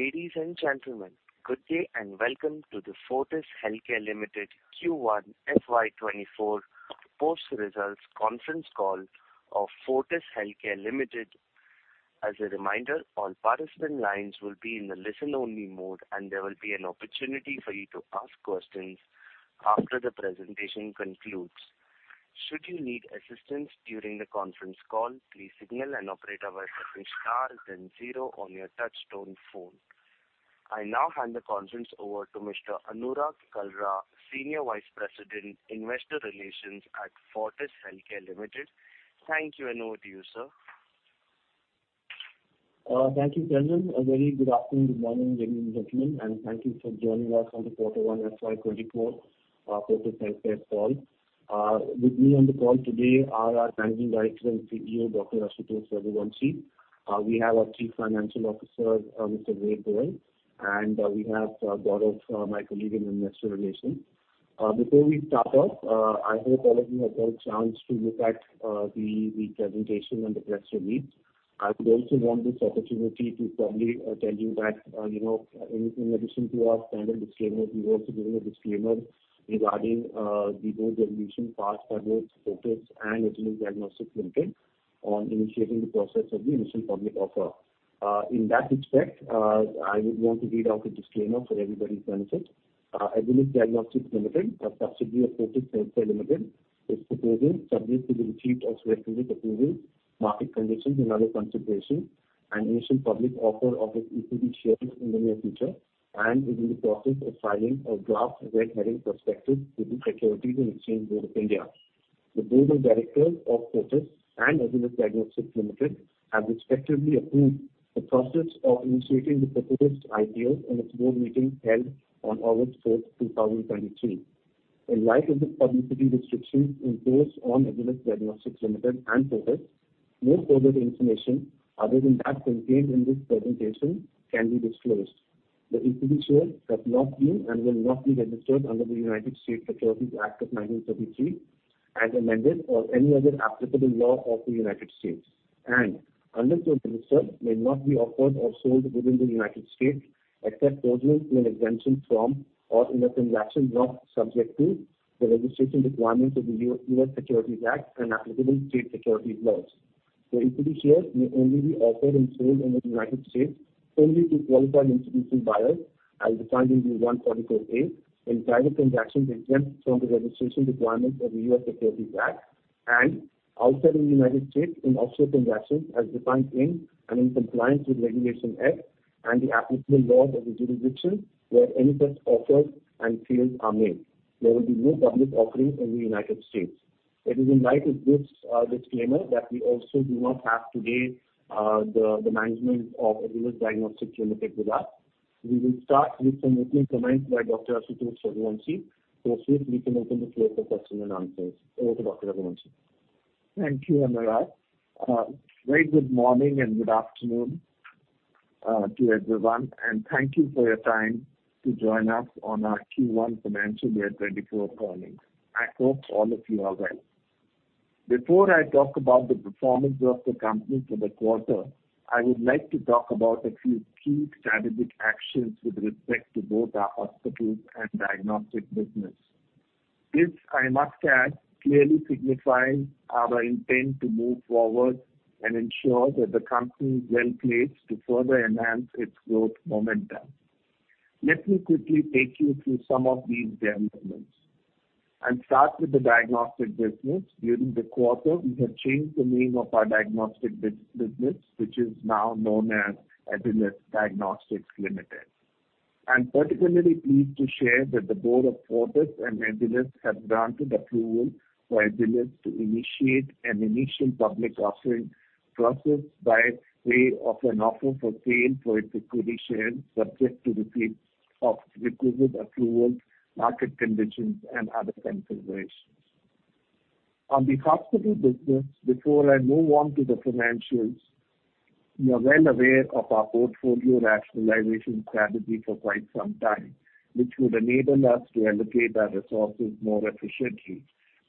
Ladies and gentlemen, good day, and welcome to the Fortis Healthcare Limited Q1 FY24 post results conference call of Fortis Healthcare Limited. As a reminder, all participant lines will be in the listen-only mode, and there will be an opportunity for you to ask questions after the presentation concludes. Should you need assistance during the conference call, please signal an operator by pressing star then zero on your touchtone phone. I now hand the conference over to Mr. Anurag Kalra, Senior Vice President, Investor Relations at Fortis Healthcare Limited. Thank you, and over to you, sir. Thank you, gentlemen. A very good afternoon, good morning, ladies and gentlemen, and thank you for joining us on the quarter 1 FY 2024 Fortis Healthcare call. With me on the call today are our Managing Director and CEO, Dr. Ashutosh Raghuvanshi. We have our Chief Financial Officer, Mr. Ray Dore, and we have Gaurav, my colleague in Investor Relations. Before we start off, I hope all of you have got a chance to look at the presentation and the press release. I would also want this opportunity to probably tell you that, you know, in addition to our standard disclaimer, we've also given a disclaimer regarding the board's evolution, past efforts, focus, and Agilus Diagnostics Limited on initiating the process of the initial public offer. In that respect, I would want to read out the disclaimer for everybody's benefit. Agilus Diagnostics Limited, a subsidiary of Fortis Healthcare Limited, is proposing subject to the receipt of regulatory approval, market conditions and other considerations, an initial public offer of its equity shares in the near future and is in the process of filing a draft red herring prospectus with the Securities and Exchange Board of India. The board of directors of Fortis and Agilus Diagnostics Limited have respectively approved the process of initiating the proposed IPO in its board meeting held on August 4, 2023. In light of the publicity restrictions imposed on Agilus Diagnostics Limited and Fortis, no further information other than that contained in this presentation can be disclosed. The equity shares have not been and will not be registered under the United States Securities Act of 1933, as amended, or any other applicable law of the United States, and unless registered may not be offered or sold within the United States, except those in an exemption from, or in a transaction not subject to the registration requirements of the U.S. Securities Act and applicable state securities laws. The equity shares may only be offered and sold in the United States only to qualified institutional buyers, as defined in the 144A, in private transactions exempt from the registration requirements of the U.S. Securities Act, and outside of the United States in offshore transactions as defined in and in compliance with Regulation S and the applicable laws of the jurisdiction where any such offers and sales are made. There will be no public offerings in the U.S. It is in light of this disclaimer that we also do not have today the management of Agilus Diagnostics Limited with us. We will start with some opening comments by Dr. Ashutosh Raghuvanshi, so soon we can open the floor for question and answers. Over to Dr. Raghuvanshi. Thank you, Anurag. Very good morning and good afternoon to everyone, and thank you for your time to join us on our Q1 financial year 2024 earnings. I hope all of you are well. Before I talk about the performance of the company for the quarter, I would like to talk about a few key strategic actions with respect to both our hospitals and diagnostics business. This, I must add, clearly signifies our intent to move forward and ensure that the company is well-placed to further enhance its growth momentum. Let me quickly take you through some of these developments. I'll start with the diagnostic business, which is now known as Agilus Diagnostics Limited. I'm particularly pleased to share that the board of Fortis and Agilus have granted approval for Agilus to initiate an initial public offering process by way of an offer for sale for its equity shares, subject to receipt of required approvals, market conditions and other considerations. On the hospital business, before I move on to the financials, you are well aware of our portfolio rationalization strategy for quite some time, which would enable us to allocate our resources more efficiently.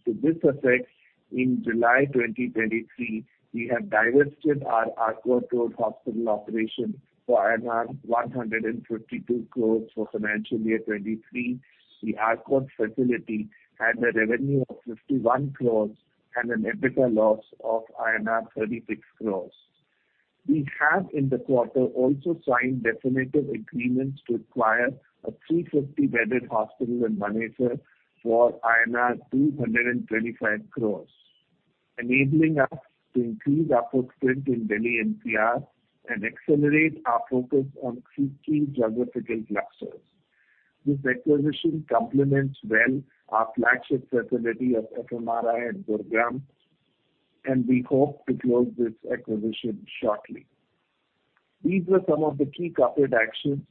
To this effect, in July 2023, we have divested our Arcot Road hospital operation for 152 crores for financial year 23. The Arcot facility had a revenue of 51 crores and an EBITDA loss of INR 36 crores. We have in the quarter also signed definitive agreements to acquire a 350-bedded hospital in Manesar for 225 crores, enabling us to increase our footprint in Delhi NCR and accelerate our focus on key geographical clusters. This acquisition complements well our flagship facility of FMRI at Gurugram, and we hope to close this acquisition shortly. These were some of the key corporate actions.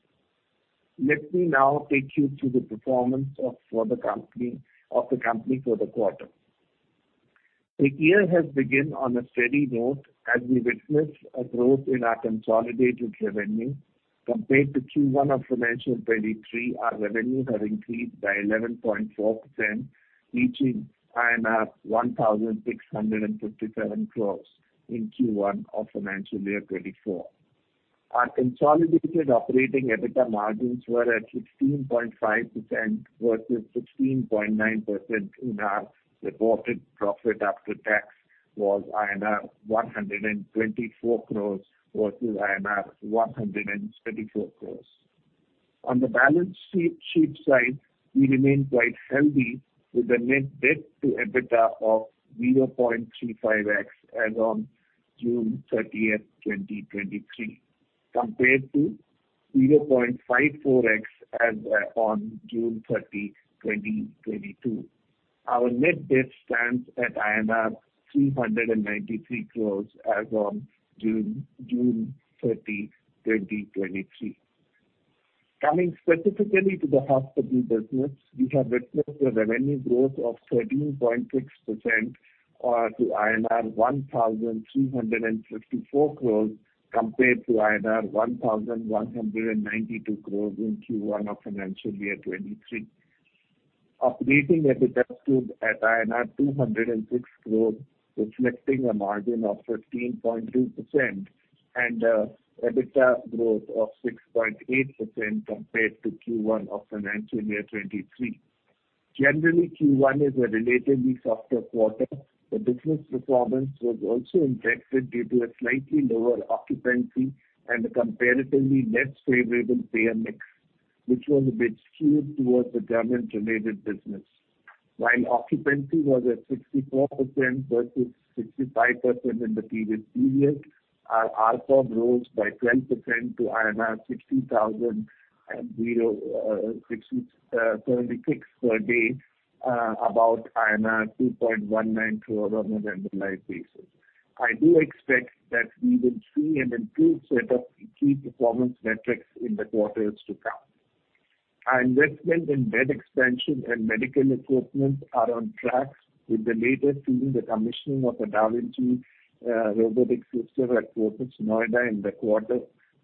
Let me now take you through the performance of the company for the quarter. The year has begun on a steady note as we witness a growth in our consolidated revenue. Compared to Q1 of financial 23, our revenues have increased by 11.4%, reaching 1,657 crore in Q1 of financial year 24. Our consolidated operating EBITDA margins were at 16.5% versus 16.9%, and our reported profit after tax was INR 124 crore versus INR 124 crore. On the balance sheet, sheet size, we remain quite healthy with a net debt to EBITDA of 0.35x as on June 30th, 2023, compared to 0.54x as on June 30, 2022. Our net debt stands at 393 crore as on June, June 30, 2023. Coming specifically to the hospital business, we have witnessed a revenue growth of 13.6%, or to INR 1,354 crore, compared to INR 1,192 crore in Q1 of financial year 2023. Operating EBITDA stood at INR 206 crore, reflecting a margin of 15.2% and EBITDA growth of 6.8% compared to Q1 of financial year 2023. Generally, Q1 is a relatively softer quarter. The business performance was also impacted due to a slightly lower occupancy and a comparatively less favorable payer mix, which was a bit skewed towards the government-related business. While occupancy was at 64% versus 65% in the previous period, our ARPM rose by 12% to 60,036 per day, about 2.19 crore on a randomized basis. I do expect that we will see an improved set of key performance metrics in the quarters to come. Our investment in bed expansion and medical equipment are on track, with the latest being the commissioning of a da Vinci robotic system at Fortis Noida in the quarter.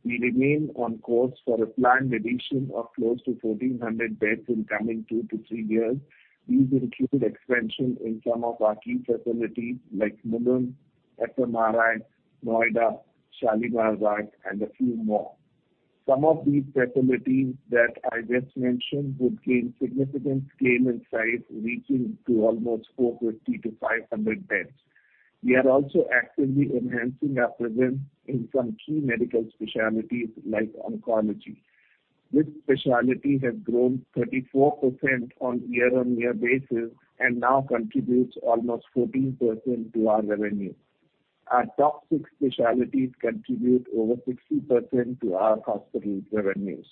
We remain on course for a planned addition of close to 1,400 beds in coming 2-3 years. These include expansion in some of our key facilities like Mulund, FMRI, Noida, Shalimar Bagh, and a few more. Some of these facilities that I just mentioned would gain significant scale and size, reaching to almost 450-500 beds. We are also actively enhancing our presence in some key medical specialties like oncology. This specialty has grown 34% on year-on-year basis and now contributes almost 14% to our revenue. Our top six specialties contribute over 60% to our hospital revenues.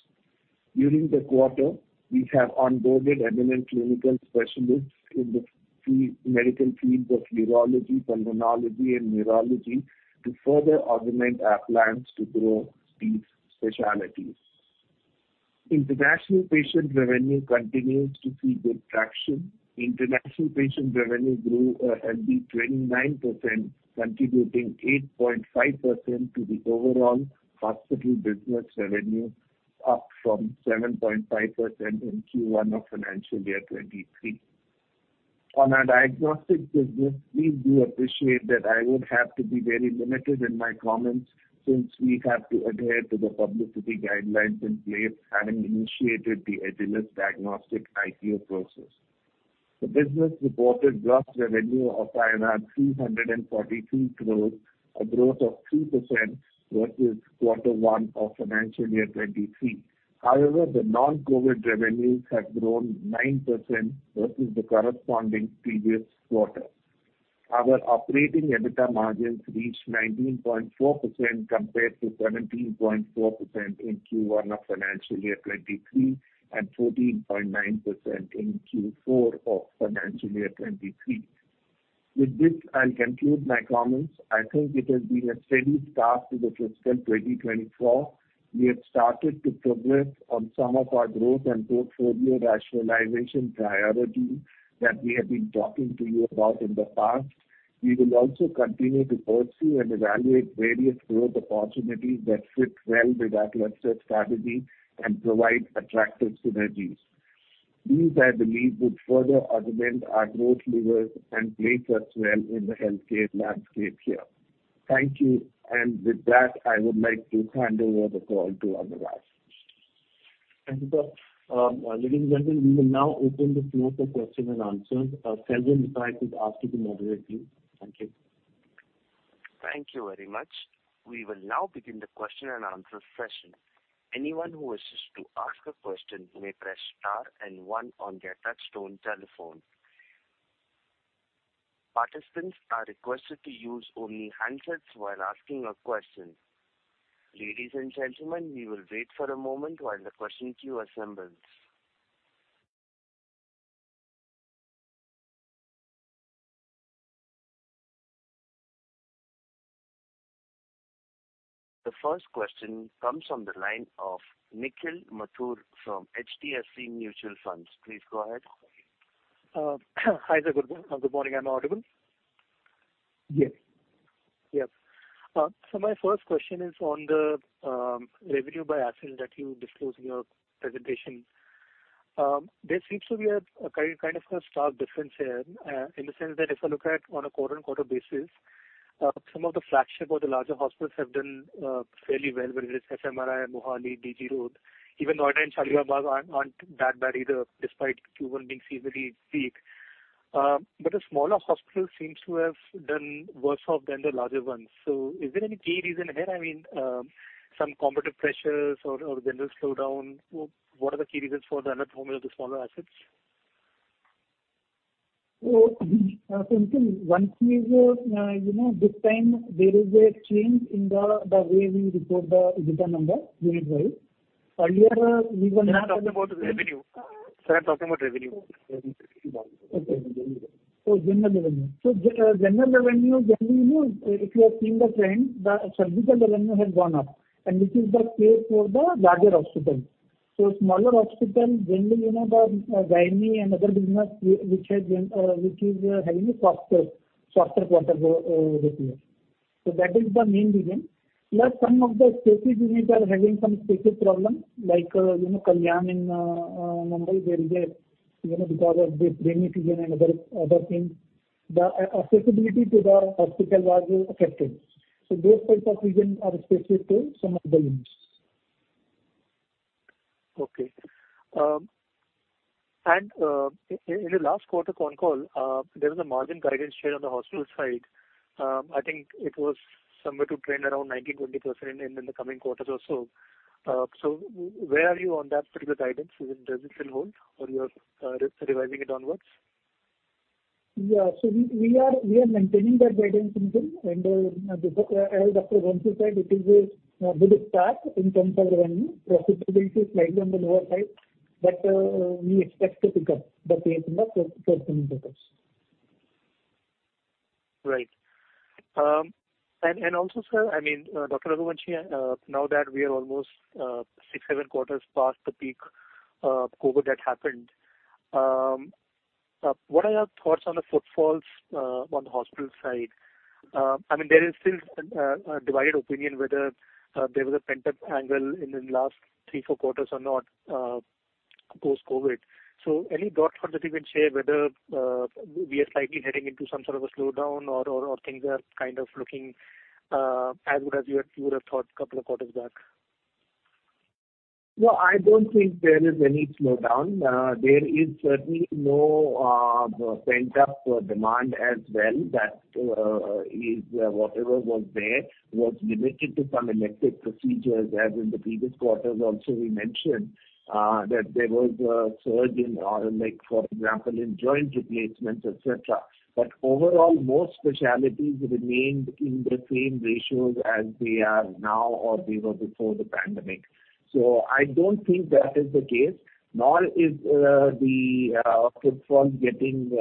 During the quarter, we have onboarded eminent clinical specialists in the key medical fields of urology, pulmonology, and neurology to further augment our plans to grow these specialties. International patient revenue continues to see good traction. International patient revenue grew at 29%, contributing 8.5% to the overall hospital business revenue, up from 7.5% in Q1 of financial year 2023. On our diagnostic business, please do appreciate that I would have to be very limited in my comments since we have to adhere to the publicity guidelines in place, having initiated the Agilus Diagnostic IPO process. The business reported gross revenue of 342 crore, a growth of 2% versus quarter one of financial year 2023. The non-COVID revenues have grown 9% versus the corresponding previous quarter. Our operating EBITDA margins reached 19.4%, compared to 17.4% in Q1 of financial year 2023 and 14.9% in Q4 of financial year 2023. With this, I'll conclude my comments. I think it has been a steady start to the fiscal 2024. We have started to progress on some of our growth and portfolio rationalization priorities that we have been talking to you about in the past. We will also continue to pursue and evaluate various growth opportunities that fit well with our cluster strategy and provide attractive synergies. These, I believe, would further augment our growth levers and place us well in the healthcare landscape here. Thank you. With that, I would like to hand over the call to Anurag. Thank you, sir. Ladies and gentlemen, we will now open the floor for question and answer. Savin Patel is asked to moderate you. Thank you. Thank you very much. We will now begin the question-and-answer session. Anyone who wishes to ask a question may press star and one on their touchtone telephone. Participants are requested to use only handsets while asking a question. Ladies and gentlemen, we will wait for a moment while the question queue assembles. The first question comes on the line of Nikhil Mathur from HDFC Mutual Fund. Please go ahead. Hi there, good, good morning. I'm audible? Yes. Yes. My first question is on the revenue by asset that you disclosed in your presentation. There seems to be a kind, kind of a stark difference here, in the sense that if I look at on a quarter-on-quarter basis, some of the flagship or the larger hospitals have done fairly well, whether it's FMRI, Mohali, BG Road. Even order in Shalimar Bagh aren't, aren't that bad either, despite Q1 being seasonally weak. But the smaller hospitals seems to have done worse off than the larger ones. Is there any key reason here? I mean, some competitive pressures or general slowdown, or what are the key reasons for the underperformance of the smaller assets? One thing is, you know, this time there is a change in the way we report the EBITDA number unit-wide. Earlier, we were. Sir, I'm talking about revenue. Sir, I'm talking about revenue. Okay. General revenue, generally, you know, if you have seen the trend, the surgical revenue has gone up, and this is the case for the larger hospitals. Smaller hospitals, generally, you know, the gyne and other business which has been, which is, having a softer, softer quarter this year. That is the main reason. Plus, some of the specific units are having some specific problems, like, you know, Kalyan in Mumbai, where there, you know, because of the rainy season and other, other things, the accessibility to the hospital was affected. Those types of reasons are specific to some of the units. Okay. and in in the last quarter con call, there was a margin guidance shared on the hospital side. I think it was somewhere to trend around 19%-20% in the in the coming quarters or so. Where are you on that particular guidance? Does it still hold, or you are revising it onwards? Yeah. We are maintaining that guidance in full. As Dr. Raghuvanshi said, it is a good start in terms of revenue. Profitability is slightly on the lower side, but we expect to pick up the pace in the forthcoming quarters. Right. and, and also, sir, I mean, Dr. Raghuvanshi, now that we are almost, six, seven quarters past the peak, COVID that happened, what are your thoughts on the footfalls on the hospital side? I mean, there is still a divided opinion whether there was a pent-up angle in the last three, four quarters or not, post-COVID. Any thoughts that you can share whether we are slightly heading into some sort of a slowdown or things are kind of looking as good as you would have thought a couple of quarters back? Well, I don't think there is any slowdown. There is certainly no pent-up demand as well. That is whatever was there, was limited to some elective procedures, as in the previous quarters also we mentioned, that there was a surge in our elect, for example, in joint replacements, et cetera. Overall, most specialties remained in the same ratios as they are now or they were before the pandemic. I don't think that is the case, nor is the footfall getting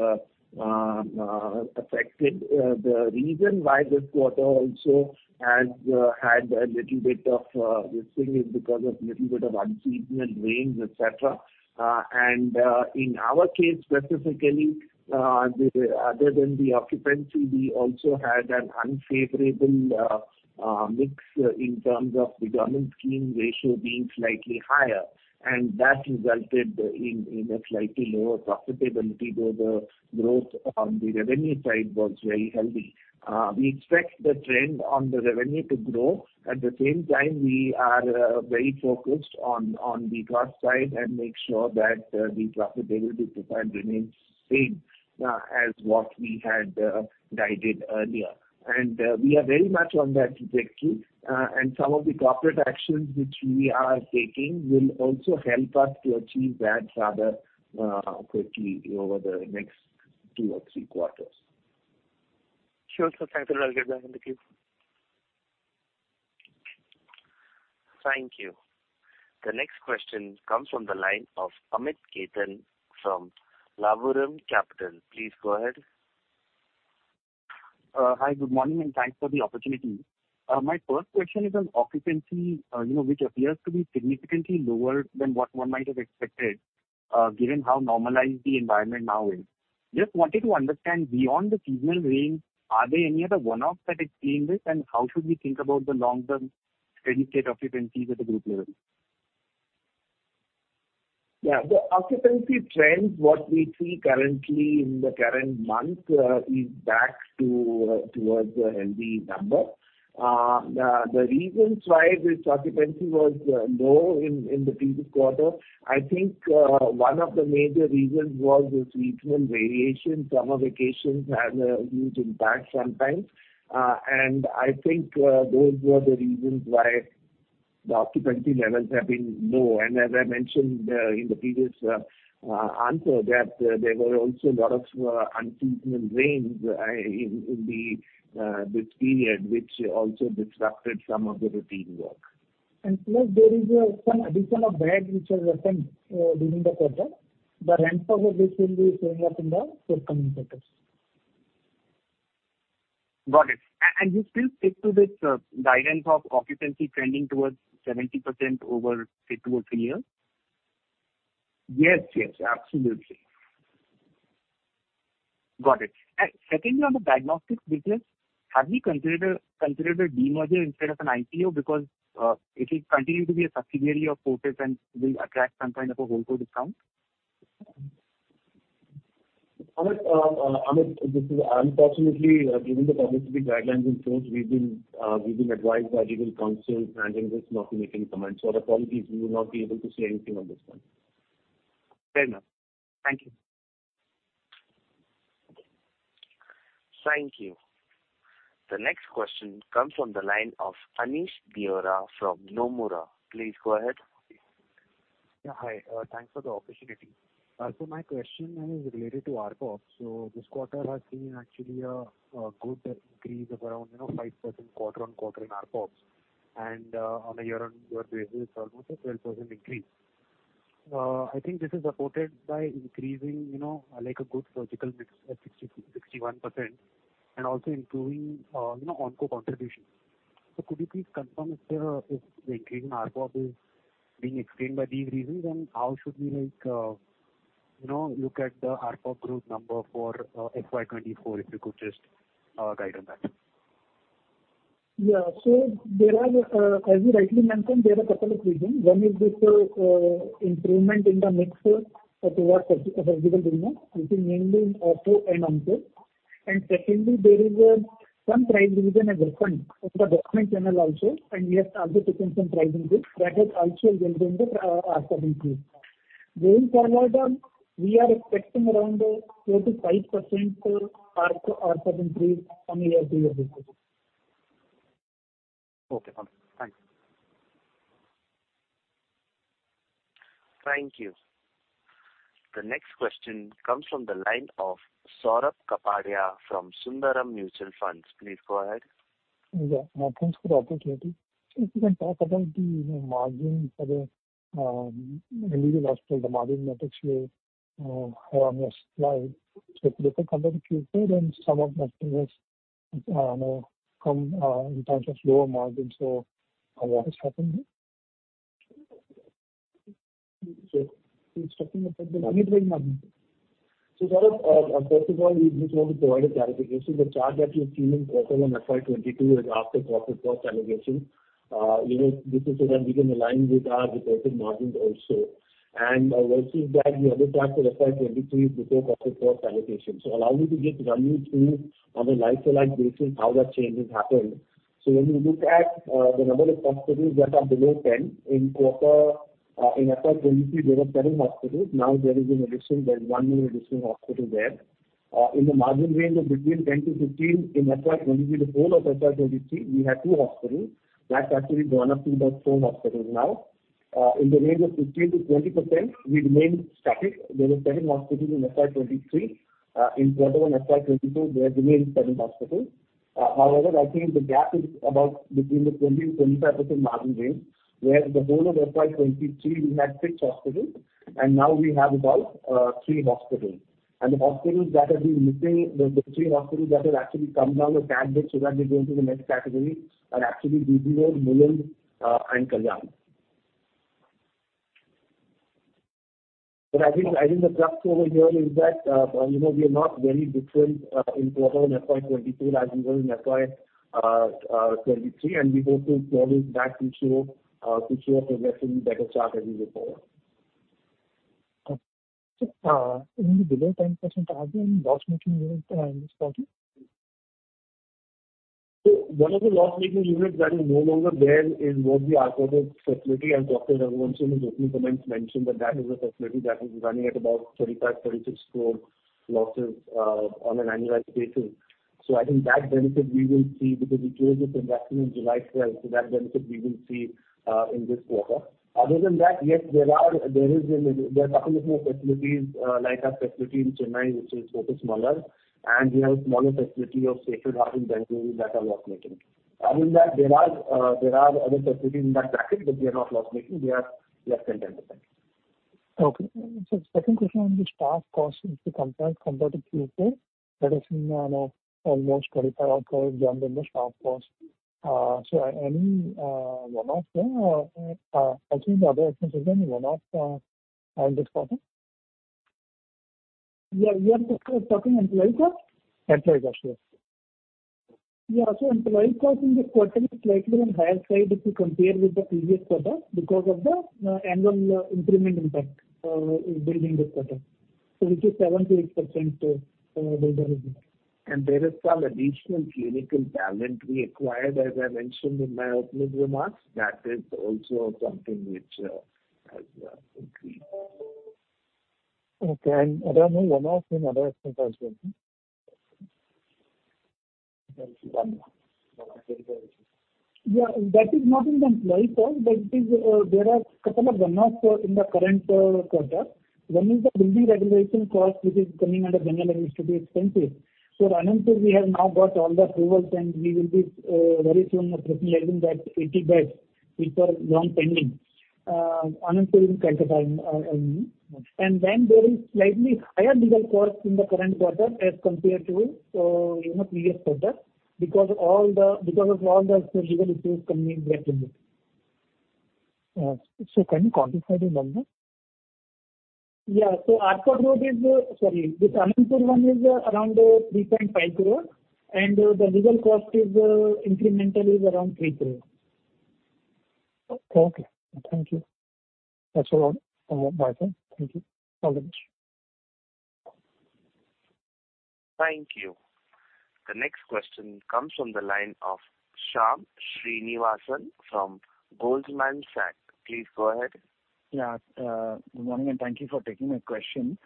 affected. The reason why this quarter also has had a little bit of this thing is because of little bit of unseasonal rains, et cetera. In our case, specifically, other than the occupancy, we also had an unfavorable mix in terms of the government scheme ratio being slightly higher, and that resulted in a slightly lower profitability, though the growth on the revenue side was very healthy. We expect the trend on the revenue to grow. At the same time, we are very focused on the cost side and make sure that the profitability profile remains same as what we had guided earlier. We are very much on that trajectory. Some of the corporate actions which we are taking will also help us to achieve that rather quickly over the next two or three quarters. Sure, sir. Thank you. I'll get back in the queue. Thank you. The next question comes from the line of Amit Khatan from Lavama Capital. Please go ahead. Hi, good morning, and thanks for the opportunity. My first question is on occupancy, you know, which appears to be significantly lower than what one might have expected, given how normalized the environment now is. Just wanted to understand, beyond the seasonal rains, are there any other one-offs that explain this, and how should we think about the long-term steady-state occupancies at the group level? Yeah. The occupancy trends, what we see currently in the current month, is back towards a healthy number. The reasons why this occupancy was low in the previous quarter, I think, one of the major reasons was this regional variation. Summer vacations have a huge impact sometimes. I think those were the reasons why the occupancy levels have been low. As I mentioned in the previous answer, there were also a lot of unseasonal rains in this period, which also disrupted some of the routine work. Plus, there is some addition of bed which has happened during the quarter. The ramps of this will be showing up in the forthcoming quarters. Got it. And you still stick to this guidance of occupancy trending towards 70% over, say, 2 or 3 years? Yes, yes, absolutely. Got it. Secondly, on the diagnostics business, have you considered a demerger instead of an IPO because it will continue to be a subsidiary of Fortis and will attract some kind of a wholesale discount? Amit, Amit, unfortunately, given the publicity guidelines in place, we've been, we've been advised by legal counsel managing this, not to make any comments. I apologies, we will not be able to say anything on this one. Fair enough. Thank you. Thank you. The next question comes from the line of Anish Dureja from Nomura. Please go ahead. Yeah, hi. Thanks for the opportunity. My question is related to ARPOBs. This quarter has seen actually a good increase of around, you know, 5% quarter-on-quarter in ARPOBs, and on a year-on-year basis, almost a 12% increase. I think this is supported by increasing, you know, like, a good surgical mix at 60%-61% and also improving, you know, onco contribution. Could you please confirm if the increase in ARPOBs is being explained by these reasons? How should we, like, you know, look at the ARPOBs growth number for FY 2024, if you could just guide on that? Yeah. There are, as you rightly mentioned, there are a couple of reasons. One is this improvement in the mix towards surgi- surgical treatment, I think mainly in orthopaedics and onco. Secondly, there is some price revision as well from the government channel also, and we have also taken some pricing boost that has also gone into ARPOBs. Going forward, we are expecting around a 4-5% for ARPOBs from year to year before. Okay, perfect. Thanks. Thank you. The next question comes from the line of Saurabh Kapadia from Sundaram Mutual Fund. Please go ahead. Yeah, thanks for the opportunity. If you can talk about the margin for the individual hospital, the margin that actually on your slide. If you look at some of the quarters and some of that was, you know, come in terms of lower margin. What has happened there? First of all, we just want to provide a clarification. The chart that you're seeing in quarter one, FY 2022, is after profit post allocation. You know, this is so that we can align with our reported margins also. I will say that the other chart for FY 2023 is before profit post allocation. Allow me to just run you through on a like-to-like basis, how that change has happened. When you look at the number of hospitals that are below 10 in quarter, in FY 2023, there were seven hospitals. Now, there is an addition, there is one new additional hospital there. In the margin range of between 10 to 15, in FY 2024 to FY 2023, we had two hospitals. That's actually gone up to about four hospitals now. In the range of 15%-20%, we remained static. There were seven hospitals in FY 2023. In quarter one, FY 2024, there remains seven hospitals. However, I think the gap is about between the 20% and 25% margin range, where the whole of FY 2023, we had six hospitals, and now we have about three hospitals. The hospitals that have been missing, the, the three hospitals that have actually come down the bracket, so that they go into the next category, are actually Gurugram, Mulund, and Kalyan. I think, I think the plus over here is that, you know, we are not very different in quarter one, FY 2022, as we were in FY 2023, and we hope to carry that to show to show a relatively better chart as we go forward. Okay. In the below 10% margin, loss-making units in this quarter? One of the loss-making units that is no longer there is what we are called a facility, and Dr. Raghuvanshi, in his opening comments, mentioned that that is a facility that was running at about 35-36 crore losses on an annualized basis. I think that benefit we will see, because we closed it in actually in July 12th, so that benefit we will see in this quarter. Other than that, yes, there are couple of more facilities, like our facility in Chennai, which is Fortis Malar, and we have a smaller facility of Sacred Heart in Bengaluru that are loss-making. Other than that, there are other facilities in that bracket, but they are not loss-making, they are less than 10%. Okay. Second question on the staff costs, if you compare and compare to Q4, that is, you know, almost 35% jump in the staff cost. Any one-off there, I think the other expenses, any one-off in this quarter? Yeah, we are just talking employee cost? Employee cost, yes. Employee cost in this quarter is slightly on higher side, if you compare with the previous quarter, because of the annual increment impact during this quarter. This is 7%-8% build in this. There is some additional clinical talent we acquired, as I mentioned in my opening remarks. That is also something which has increased. Okay. Are there any one-off in other expense as well? Yeah, that is not in the employee cost, but it is, there are a couple of one-offs in the current quarter. One is the building regularization cost, which is coming under general and administrative expenses. Ranipur, we have now got all the approvals, and we will be very soon recognizing that 80 beds which were long pending, Ranipur in Kolkata, I mean. There is slightly higher diesel cost in the current quarter as compared to, you know, previous quarter, because all the, because of all the surgical issues coming back in it.... Can you quantify the number? Yeah. Arcot Road is, sorry, the Arcot Road one is around 3.5 crore, and the legal cost is incremental is around 3 crore. Okay, thank you. That's all. bye, thank you. All the best. Thank you. The next question comes from the line of Shyam Srinivasan from Goldman Sachs. Please go ahead. Good morning, and thank you for taking my question.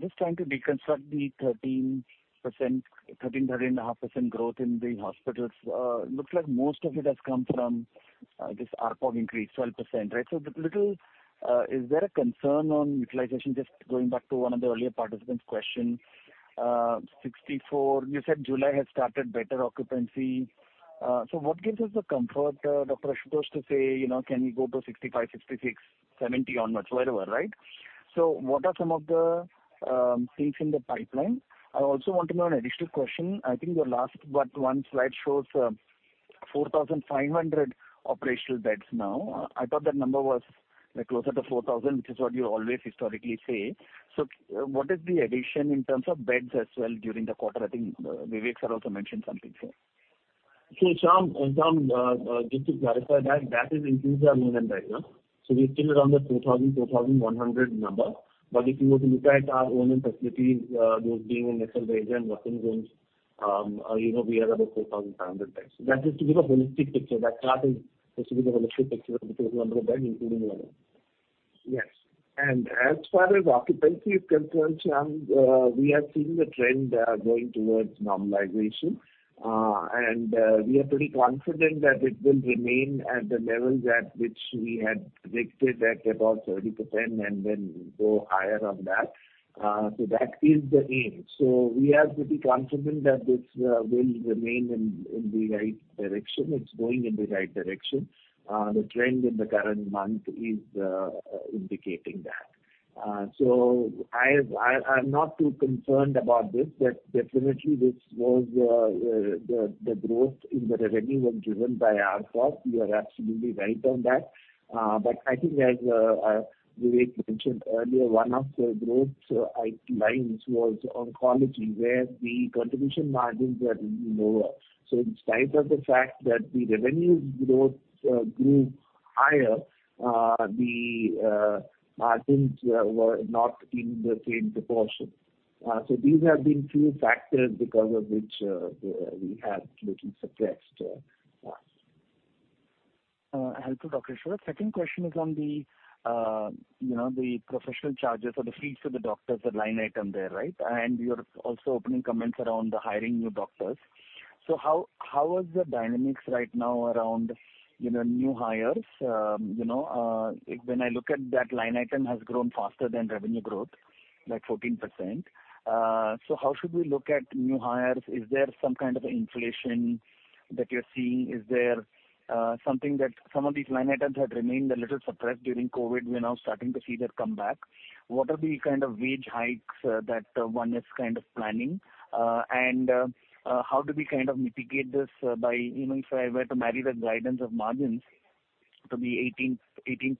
Just trying to deconstruct the 13%, 13, 13.5% growth in the hospitals. Looks like most of it has come from this ARPOB increase, 12%, right? The little, is there a concern on utilization, just going back to one of the earlier participant's question? 64, you said July has started better occupancy. What gives us the comfort, Dr. Ashutosh, to say, you know, can we go to 65, 66, 70 onwards, whatever, right? What are some of the things in the pipeline? I also want to know an additional question. I think your last but one slide shows 4,500 operational beds now. I thought that number was closer to 4,000, which is what you always historically say. What is the addition in terms of beds as well during the quarter? I think Vivek sir also mentioned something here. Shyam, Shyam, just to clarify that, that is including our new one, right? Yeah. We're still around the 4,000, 4,100 number. If you were to look at our own facilities, those being in ESL Asia and Watkins Mills, you know, we are about 4,500 beds. That is to give a holistic picture. That chart is just to give a holistic picture of the total number of beds, including our own. Yes. As far as occupancy is concerned, Shyam, we are seeing the trend going towards normalization. And we are pretty confident that it will remain at the levels at which we had predicted at about 30%, and then go higher on that. That is the aim. We are pretty confident that this will remain in, in the right direction. It's going in the right direction. The trend in the current month is indicating that. I, I'm not too concerned about this, but definitely this was the growth in the revenue was driven by ARPOBs. You are absolutely right on that. I think as Vivek mentioned earlier, one of the growth lines was oncology, where the contribution margins were lower. In spite of the fact that the revenue growth grew higher, the margins were not in the same proportion. These have been few factors because of which we have little suppressed. Hello, Dr. Ashutosh. Second question is on the, you know, the professional charges or the fees to the doctors, the line item there, right? You're also opening comments around the hiring new doctors. How, how is the dynamics right now around, you know, new hires? You know, when I look at that line item has grown faster than revenue growth, like 14%. How should we look at new hires? Is there some kind of inflation that you're seeing? Is there something that some of these line items had remained a little suppressed during COVID, we're now starting to see that come back. What are the kind of wage hikes that one is kind of planning? How do we kind of mitigate this, by, you know, if I were to marry the guidance of margins to be 18%,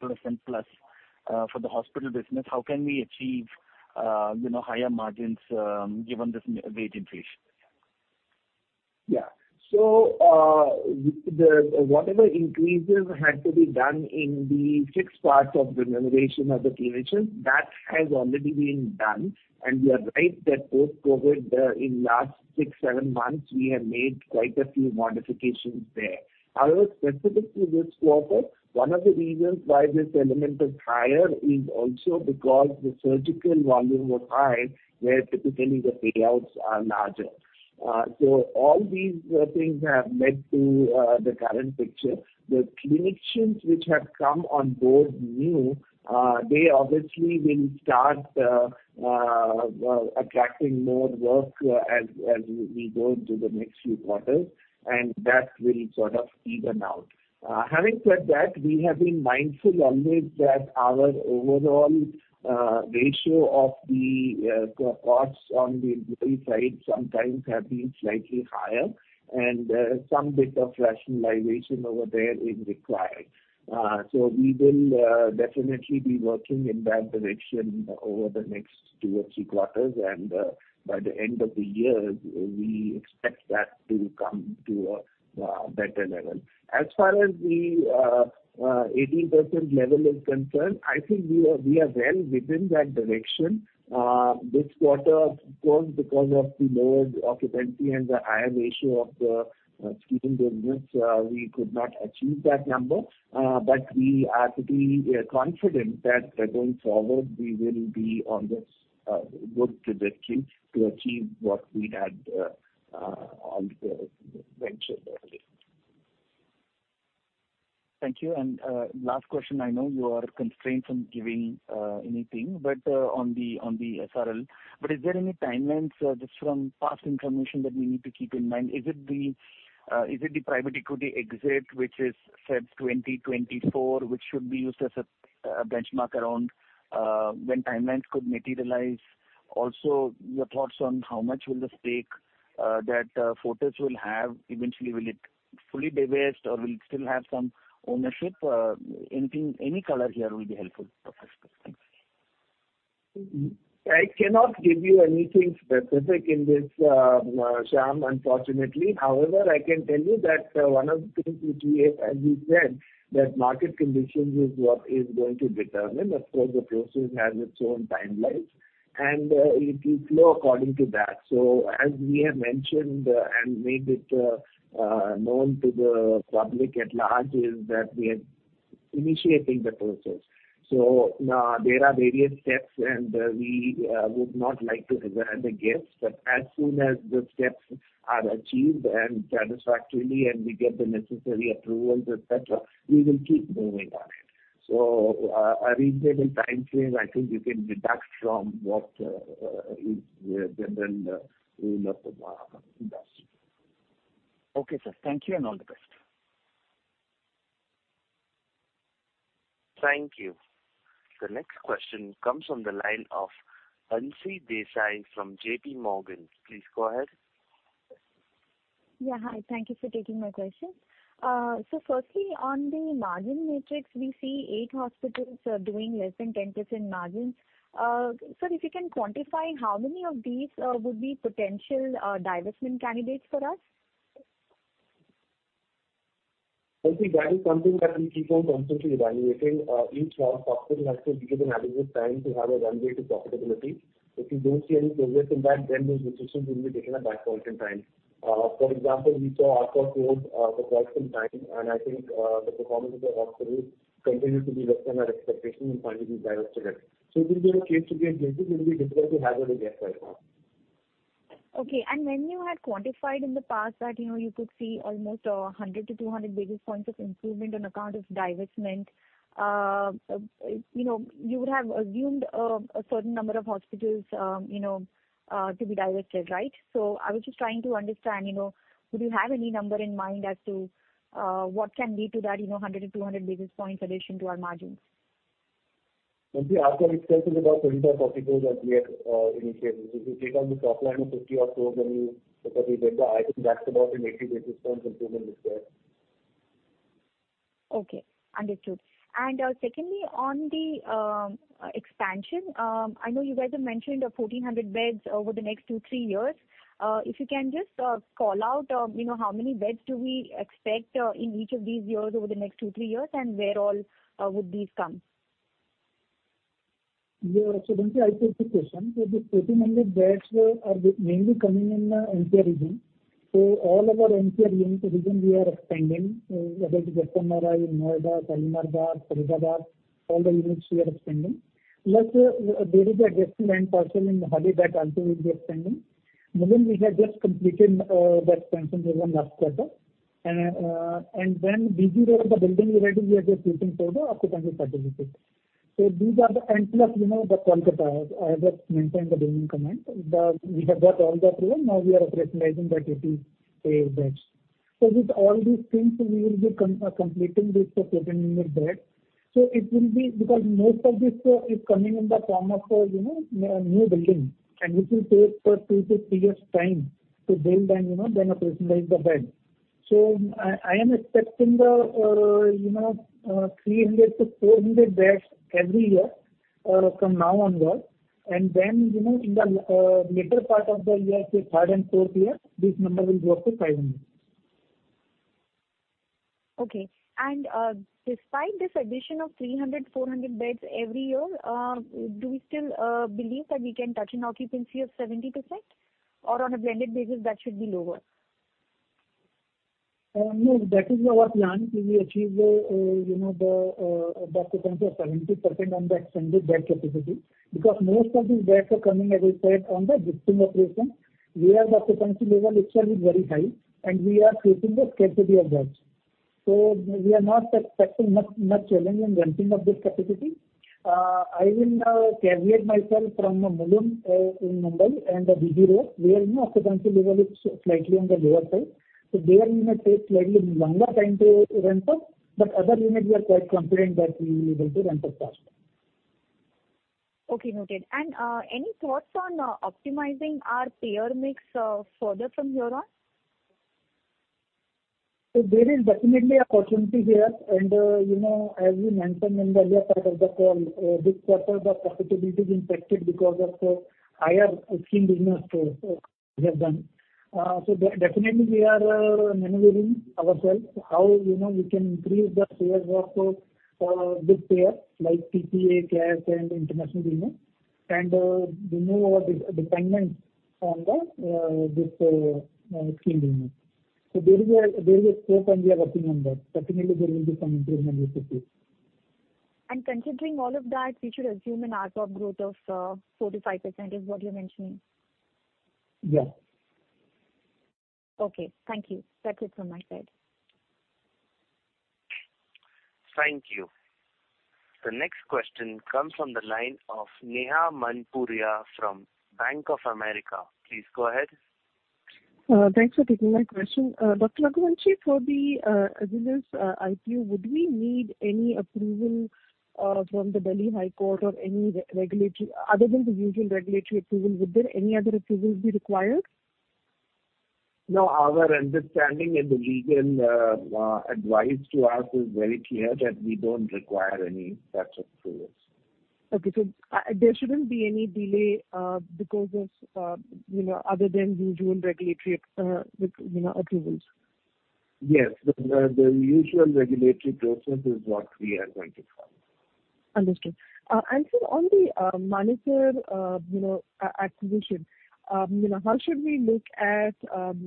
18% plus, for the hospital business, how can we achieve, you know, higher margins, given this wage inflation? Yeah. Whatever increases had to be done in the fixed part of the remuneration of the clinicians, that has already been done. You are right, that post-COVID, in last six, seven months, we have made quite a few modifications there. However, specific to this quarter, one of the reasons why this element is higher is also because the surgical volume was high, where typically the payouts are larger. All these things have led to the current picture. The clinicians which have come on board new, they obviously will start attracting more work as, as we, we go into the next few quarters, and that will sort of even out. at, we have been mindful always that our overall ratio of the costs on the employee side sometimes have been slightly higher, and some bit of rationalization over there is required. So we will definitely be working in that direction over the next 2 or 3 quarters, and by the end of the year, we expect that to come to a better level. As far as the 18% level is concerned, I think we are well within that direction. This quarter, of course, because of the lower occupancy and the higher ratio of the surgical business, we could not achieve that number. But we are pretty confident that, going forward, we will be on this good trajectory to achieve what we had mentioned earlier. Thank you. Last question, I know you are constrained from giving, anything, but, on the, on the SRL. Is there any timelines, just from past information that we need to keep in mind? Is it the, is it the private equity exit, which is set 2024, which should be used as a, benchmark around, when timelines could materialize? Also, your thoughts on how much will the stake, that Fortis will have, eventually will it fully divest or will it still have some ownership? anything, any color here will be helpful, Professor. Thanks. I cannot give you anything specific in this, Shyam, unfortunately. However, I can tell you that one of the things which we have, as we said, that market conditions is what is going to determine. Of course, the process has its own timelines, and it will flow according to that. As we have mentioned and made it known to the public at large, is that we are initiating the process. Now there are various steps, and we would not like to declare the gifts. As soon as the steps are achieved and satisfactorily, and we get the necessary approvals, et cetera, we will keep moving on it. A reasonable time frame, I think you can deduct from what is the general rule of the industry. Okay, sir. Thank you, and all the best. Thank you. The next question comes from the line of Hansa Desai from J.P. Morgan. Please go ahead. Yeah, hi. Thank you for taking my question. Firstly, on the margin matrix, we see eight hospitals are doing less than 10% margin. Sir, if you can quantify, how many of these would be potential divestment candidates for us? Hansa, that is something that we keep on constantly evaluating. Each one hospital has to be given adequate time to have a runway to profitability. If you don't see any progress in that, then those decisions will be taken at that point in time. For example, we saw Arthur Road, for quite some time, and I think, the performance of the hospital continued to be less than our expectation, and finally we divested it. This is a case-to-case basis. It will be difficult to have a guess right now. When you had quantified in the past that, you know, you could see almost 100 to 200 basis points of improvement on account of divestment, you know, you would have assumed a certain number of hospitals, you know, to be divested, right? I was just trying to understand, you know, would you have any number in mind as to what can lead to that, you know, 100 to 200 basis points addition to our margins? Hansi, as I discussed in about 35, 44 that we have initiated. If you take on the top line of 50 or so, then you, because we get the... I think that's about an 80 basis points improvement is there. Okay, understood. Secondly, on the expansion, I know you guys have mentioned a 1,400 beds over the next 2-3 years. If you can just call out, you know, how many beds do we expect in each of these years over the next 2-3 years, and where all would these come? Yeah. Hansi, I take the question. The 1,400 beds are mainly coming in the NCR region. All of our NCR region, region we are expanding, whether it's Gurugram, Noida, Shalimar Bagh, Faridabad, all the units we are expanding. Plus, there is adjacent land parcel in Delhi that also will be expanding. Mulund, we have just completed that expansion during last quarter. BG Road, the building already we are just waiting for the occupancy certificate. These are the-- and plus, you know, the Kolkata, I have just maintained the building command. We have got all that clear, now we are recognizing that it is paid beds. With all these things, we will be com- completing this 1,400 beds. It will be because most of this is coming in the form of, you know, new building, and this will take for 2 to 3 years time to build and, you know, then operationalize the bed. I, I am expecting the, you know, 300 to 400 beds every year, from now onwards. Then, you know, in the later part of the year, say 3rd and 4th year, this number will go up to 500. Okay. Despite this addition of 300, 400 beds every year, do we still believe that we can touch an occupancy of 70%, or on a blended basis, that should be lower? No, that is our plan, to achieve, you know, the occupancy of 70% on the extended bed capacity. Most of these beds are coming, as I said, on the existing operation, where the occupancy level itself is very high and we are creating a scarcity of beds. We are not expecting much, much challenge in renting of this capacity. I will caveat myself from the Mulund in Mumbai and the BG Road, where, you know, occupancy level is slightly on the lower side. There we may take slightly longer time to rent up, but other units we are quite confident that we will be able to rent up fast. Okay, noted. Any thoughts on optimizing our payer mix further from here on? There is definitely opportunity here, and, you know, as we mentioned in the earlier part of the call, this quarter, the profitability is impacted because of the higher scheme business we have done. Definitely we are maneuvering ourselves how, you know, we can increase the payers of this payer, like TPA, Cash, and international business, and remove our dependence on the this scheme unit. There is a scope, and we are working on that. Definitely there will be some improvement with the payer. Considering all of that, we should assume an ARPB growth of, 45%, is what you're mentioning? Yes. Okay, thank you. That's it from my side. Thank you. The next question comes from the line of Neha Manpuria from Bank of America. Please go ahead. Thanks for taking my question. Dr. Raghuvanshi, for the resilience ICU, would we need any approval from the Delhi High Court or any regulatory, other than the usual regulatory approval, would there any other approval be required? Our understanding and the legal advice to us is very clear that we don't require any such approvals. Okay, there shouldn't be any delay, because of, you know, other than usual regulatory, with, you know, approvals? Yes, the usual regulatory process is what we are going to follow. Understood. On the Manesar, you know, acquisition, you know, how should we look at,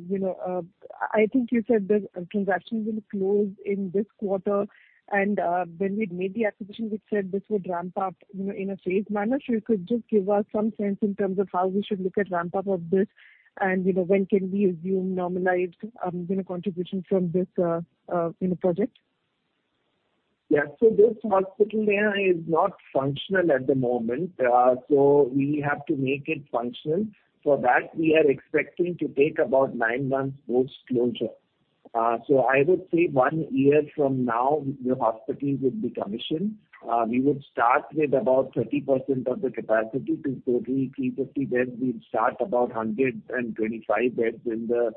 you know, I think you said the transaction will close in this quarter, and when we made the acquisition, we said this would ramp up, you know, in a phased manner. So you could just give us some sense in terms of how we should look at ramp-up of this, and, you know, when can we assume normalized, you know, contribution from this, you know, project? Yeah. This hospital here is not functional at the moment, so we have to make it functional. For that, we are expecting to take about 9 months post-closure. I would say 1 year from now, the hospital would be commissioned. We would start with about 30% of the capacity. Since totally 350 beds, we'd start about 125 beds in the